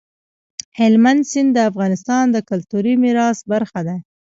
هلمند سیند د افغانستان د کلتوري میراث برخه ده.